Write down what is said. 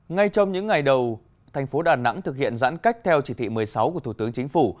ngay trong những ngày đầu thành phố đà nẵng thực hiện giãn cách theo chỉ thị một mươi sáu của thủ tướng chính phủ